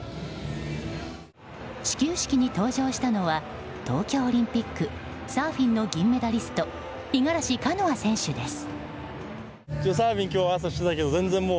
始球式に登場したのは東京オリンピック、サーフィンの銀メダリスト五十嵐カノア選手です。